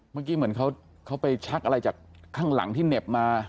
เมื่อกี้เหมือนเขาไปชักอะไรจากข้างหลังที่เหน็บมา